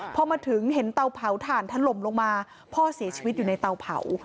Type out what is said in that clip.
พอมาถึงเห็นเตาเผาถ่านถล่มลงมาพ่อเสียชีวิตอยู่ในเตาเผา